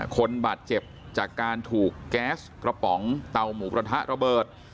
คนบาดเจ็บจากการถูกแก๊สกระป๋องเตาหมูกระทะระเบิด